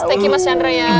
thank you mas chandra ya